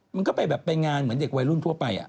มันก็ไปแบบไปงานเหมือนเด็กวัยรุ่นทั่วไป